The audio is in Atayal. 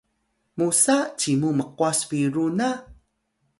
musa cimu mqwas biru na?